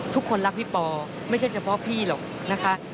ทุกคนรักพี่ปอไม่ใช่เฉพาะพี่หรอกนะคะ